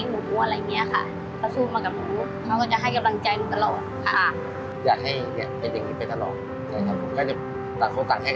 ความภูมิใจของเราจับเงินล้านครั้งแรก